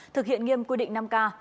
thực hiện nghiêm quy định năm k